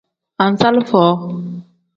Anzalifo.